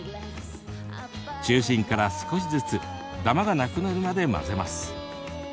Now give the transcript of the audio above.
中心から少しずつダマがなくなるまで混ぜます。